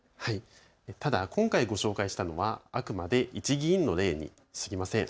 ただ今回ご紹介したのはあくまで１議員の例にすぎません。